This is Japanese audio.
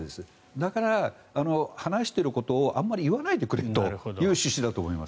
だから、話していることをあまり言わないでくれという指針だと思います。